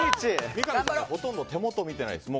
三上さん、ほとんど手元を見てないですね。